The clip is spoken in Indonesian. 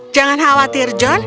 jangan khawatir john